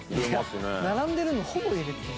並んでるのほぼ入れて。